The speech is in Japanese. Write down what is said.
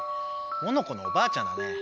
モノコのおばあちゃんだね。